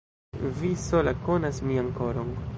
Vi sola konas mian koron.